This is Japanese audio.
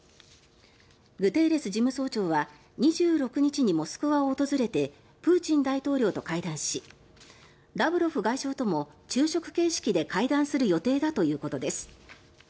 グテーレス事務総長は２６日にモスクワを訪れてプーチン大統領と会談しラブロフ外相とも昼食形式で会談する予定だということです。